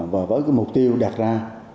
và với mục tiêu đạt ra